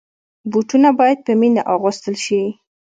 بوټونه باید په مینه اغوستل شي.